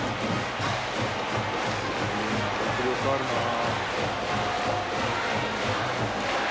迫力あるなあ。